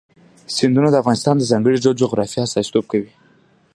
سیندونه د افغانستان د ځانګړي ډول جغرافیه استازیتوب کوي.